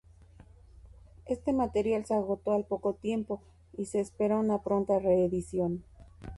Este material se agotó al poco tiempo y se espera una pronta reedición.